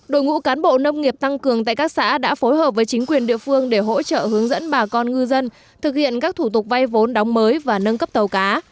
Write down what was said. đội ngũ cán bộ nông nghiệp tăng cường tại các xã đã phối hợp với chính quyền địa phương để hỗ trợ hướng dẫn bà con ngư dân thực hiện các thủ tục vay vốn đóng mới và nâng cấp tàu cá